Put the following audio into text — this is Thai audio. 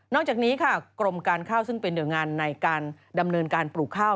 จากนี้ค่ะกรมการข้าวซึ่งเป็นหน่วยงานในการดำเนินการปลูกข้าว